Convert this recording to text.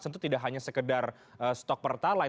tentu tidak hanya sekedar stok pertalite